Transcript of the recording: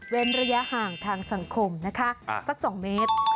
ระยะห่างทางสังคมนะคะสัก๒เมตร